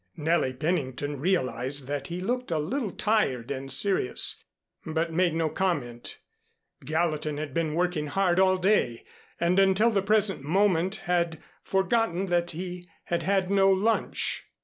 Nellie Pennington realized that he looked a little tired and serious, but made no comment. Gallatin had been working hard all day and until the present moment had forgotten that he had had no lunch.